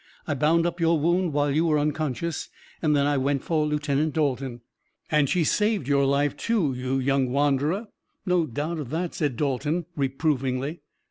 I bound up your wound, while you were unconscious, and then I went for Lieutenant Dalton." "And she saved your life, too, you young wanderer. No doubt of that," said Dalton reprovingly.